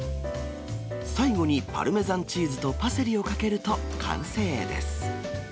最後にパルメザンチーズとパセリをかけると完成です。